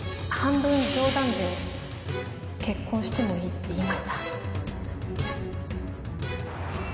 半分冗談で結婚してもいいって言いました。